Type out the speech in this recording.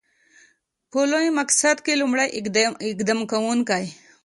په لوی مقصد کې لومړی اقدام کوونکی.